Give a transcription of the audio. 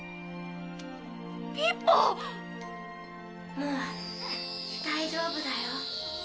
もう大丈夫だよ。